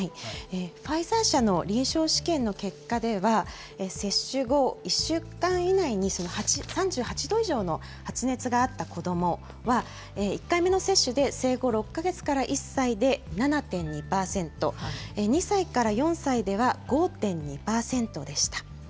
ファイザー社の臨床試験の結果では、接種後１週間以内に、３８度以上の発熱があった子どもは、１回目の接種で生後６か月から１歳で７．２％、２歳から４歳では５．２％でした。